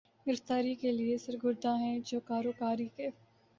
گرفتاری کے لیے سرگرداں ہے جو کاروکاری کے